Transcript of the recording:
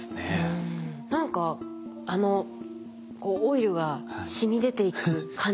何かあのこうオイルがしみ出ていく感じ。